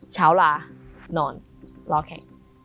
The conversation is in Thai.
เช้าลานอนรอแข่ง